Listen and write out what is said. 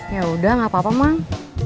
yaudah gak apa apa mang